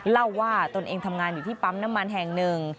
เล่าว่าตนเองทำงานอยู่ที่ปั๊มน้ำมันแห่งหนึ่ง